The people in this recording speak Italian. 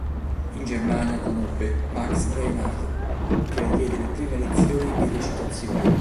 In Germania conobbe Max Reinhardt che le diede le prime lezioni di recitazione.